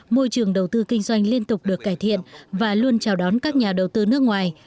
môi trường đầu tư kinh doanh liên tục được cải thiện và luôn chào đón các nhà đầu tư nước ngoài